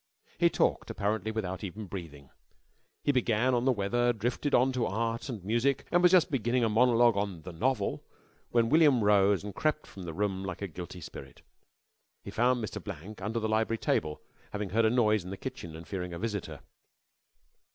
He talked apparently without even breathing. He began on the weather, drifted on to art and music, and was just beginning a monologue on The Novel, when William rose and crept from the room like a guilty spirit. He found Mr. Blank under the library table, having heard a noise in the kitchen and fearing a visitor.